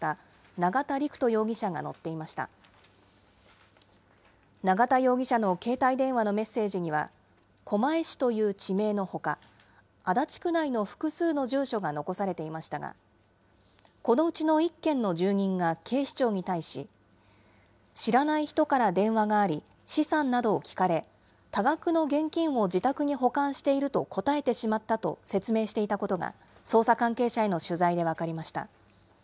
永田容疑者の携帯電話のメッセージには、狛江市という地名のほか、足立区内の複数の住所が残されていましたが、このうちの１軒の住人が警視庁に対し、知らない人から電話があり、資産などを聞かれ、多額の現金を自宅に保管していると答えてしまったと説明していたことが、捜査関係者への取材で分かりました。